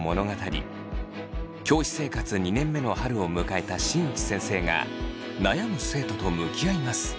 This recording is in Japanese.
教師生活２年目の春を迎えた新内先生が悩む生徒と向き合います。